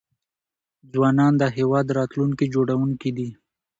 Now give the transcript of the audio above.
ځوانان د هيواد راتلونکي جوړونکي دي .